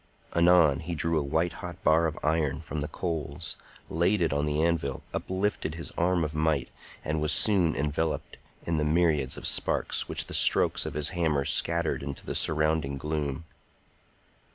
Anon he drew a white hot bar of iron from the coals, laid it on the anvil, uplifted his arm of might, and was soon enveloped in the myriads of sparks which the strokes of his hammer scattered into the surrounding gloom.